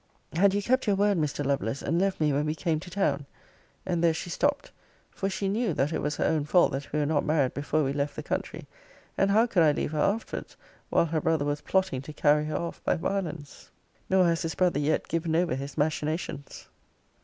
Had you kept your word, Mr. Lovelace, and left me when we came to town And there she stopt; for she knew, that it was her own fault that we were not married before we left the country; and how could I leave her afterwards, while her brother was plotting to carry her off by violence? Nor has this brother yet given over his machinations.